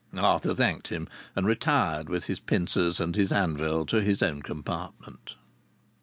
Arthur thanked him and retired with his pincers and anvil to his own compartment.